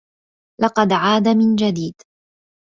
لقد عاد من جديد.